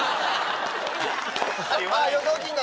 予想金額！